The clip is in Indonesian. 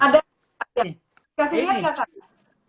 ada kasih lihat ya pak